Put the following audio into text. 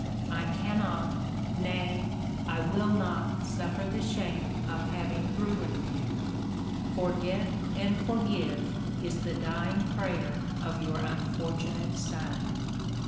I cannot, nay, I will not suffer the shame of having ruined you. Forget and forgive is the dying prayer of your unfortunate son."